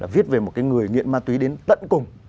viết về một cái người nghiện ma túy đến tận cùng